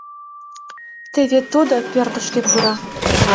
Теве тудо пӧртышкӧ пура.